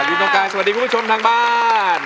อยู่ตรงกลางสวัสดีคุณผู้ชมทางบ้าน